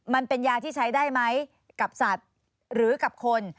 มันเป็นยาที่ใช้ได้ไหมกับสัตว์หรือกับคน